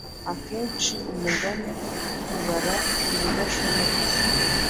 Akenshi umugani ubara ibidashoboka